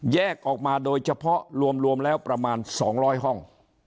แยกออกมาโดยเฉพาะรวมแล้วประมาณ๒๐๐ห้อง